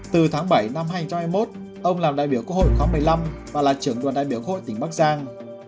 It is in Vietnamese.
từ tháng bảy năm hai nghìn hai mươi một ông làm đại biểu quốc hội khóa một mươi năm và là trưởng đoàn đại biểu quốc hội tỉnh bắc giang